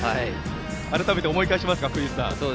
改めて思い返しますか福西さん。